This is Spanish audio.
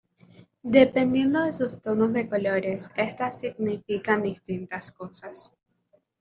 Dependiendo de sus tonos de colores estas significan distintas cosas.